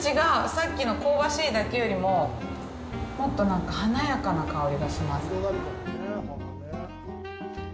さっきの香ばしいだけよりも、もっとなんか華やかな香りがします。